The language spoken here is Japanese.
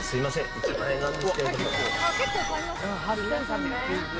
１万円なんですけれども。